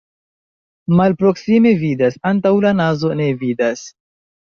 Malproksime vidas, antaŭ la nazo ne vidas.